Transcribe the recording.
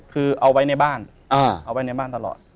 คือเอาไว้ในบ้านเอาไว้ในบ้านตลอด